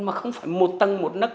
mà không phải một tầng một nức